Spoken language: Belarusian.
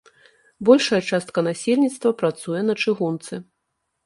Большая частка насельніцтва працуе на чыгунцы.